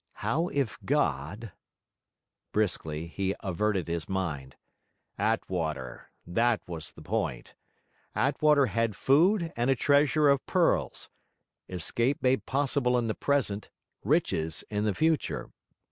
How if God...? Briskly, he averted his mind. Attwater: that was the point. Attwater had food and a treasure of pearls; escape made possible in the present, riches in the future.